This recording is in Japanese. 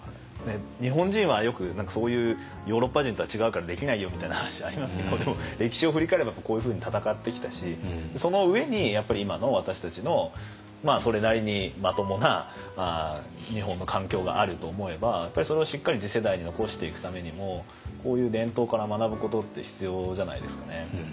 日本人はよく何かそういうヨーロッパ人とは違うからできないよみたいな話ありますけどでも歴史を振り返ればこういうふうに闘ってきたしその上にやっぱり今の私たちのそれなりにまともな日本の環境があると思えばやっぱりそれをしっかり次世代に残していくためにもこういう伝統から学ぶことって必要じゃないですかね。